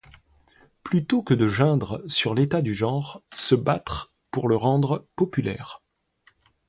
Plutôt que de geindre sur l’état du genre, se battre pour le rendre populaire.